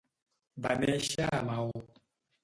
Va néixer a Maó.